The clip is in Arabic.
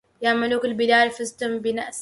يا ملوك البلاد فزتم بنسء ال